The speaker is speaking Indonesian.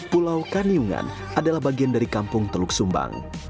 pulau kanyungan adalah bagian dari kampung teluk sumbang